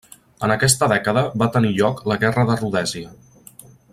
En aquesta dècada va tenir lloc la Guerra de Rhodèsia.